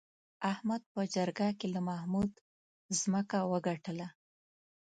احمد په جرګه کې له محمود ځمکه وګټله.